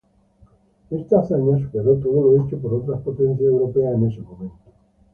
Esta hazaña superó todo lo hecho por otras potencias europeas en ese momento.